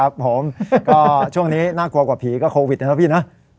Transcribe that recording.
ผมก็ช่วงนี้น่ากลัวกว่าผีก็โควิดนะครับพี่นะ